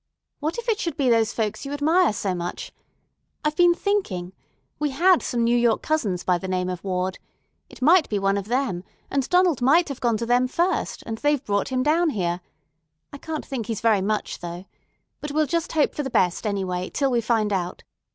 What if it should be those folks you admire so much? I've been thinking. We had some New York cousins by the name of Ward. It might be one of them, and Donald might have gone to them first, and they've brought him down here. I can't think he's very much, though. But we'll just hope for the best, anyway, till we find out.